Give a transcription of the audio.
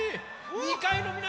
２かいのみなさん！